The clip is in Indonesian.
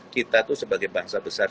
kita tuh sebagai bangsa besar